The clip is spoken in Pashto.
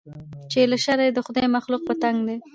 چې له شره یې د خدای مخلوق په تنګ دی